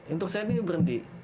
untuk saya nih berhenti